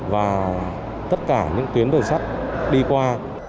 và tất cả những tuyến đường sắt đi qua